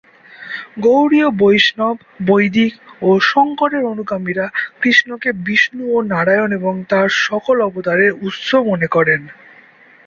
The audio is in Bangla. গৌড়ীয় বৈষ্ণব, বৈদিক ও শঙ্করের অনুগামীরা কৃষ্ণকে বিষ্ণু ও নারায়ণ এবং তার সকল অবতারের উৎস মনে করেন।